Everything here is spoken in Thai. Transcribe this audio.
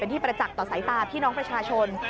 ที่ประจักษ์ต่อสายตาพี่น้องประชาชน